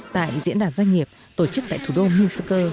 tại diễn đàn doanh nghiệp tổ chức tại thủ đô minsk